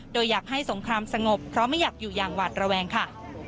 โดยอยากให้สงครามสงบเพราะไม่อยากอยู่อย่างหวาดระแวงค่ะ